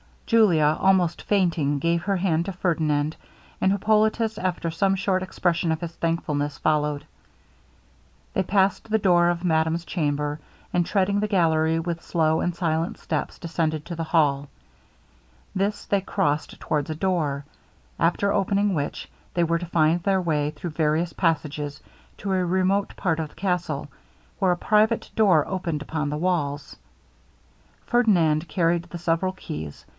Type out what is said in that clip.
Julia, almost fainting, gave her hand to Ferdinand, and Hippolitus, after some short expression of his thankfulness, followed. They passed the door of madame's chamber; and treading the gallery with slow and silent steps, descended to the hall. This they crossed towards a door, after opening which, they were to find their way, through various passages, to a remote part of the castle, where a private door opened upon the walls. Ferdinand carried the several keys.